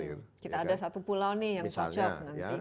kita ada satu pulau nih yang cocok nanti